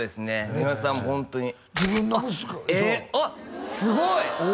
三浦さんもホントにえあっすごい！